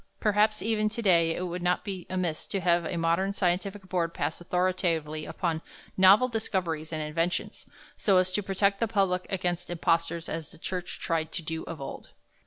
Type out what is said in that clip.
Perhaps even to day it would not be amiss to have a modern scientific board pass authoritatively upon novel discoveries and inventions, so as to protect the public against impostors as the Church tried to do of old.